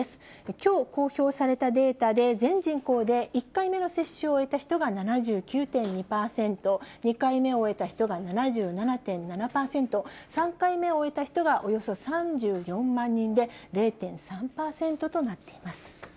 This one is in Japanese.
きょう公表されたデータで全人口で１回目の接種を終えた人が７９．２％、２回目を終えた人が７７．７％、３回目を終えた人がおよそ３４万人で、０．３％となっています。